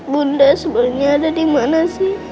bunda sebenarnya ada dimana sih